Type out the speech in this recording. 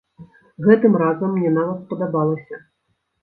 Гэтым разам мне нават спадабалася.